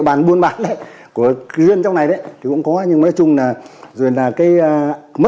bên cạnh đó là